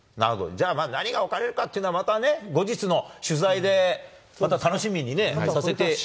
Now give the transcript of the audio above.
じゃあ、何が置かれるのかっていうのはまたね、後日の取材で、また楽しみにさせて。